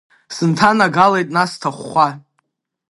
Сынҭанагалеит наҟ сҭахәхәа.